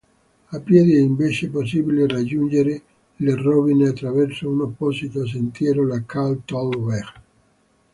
A piedi è invece possibile raggiungere le rovine attraverso un apposito sentiero: la "Carl-Toldt-Weg".